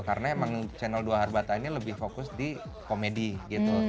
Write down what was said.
karena emang channel dua harbatah ini lebih fokus di komedi gitu